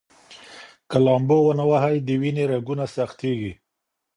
که لامبو ونه ووهئ، د وینې رګونه سختېږي.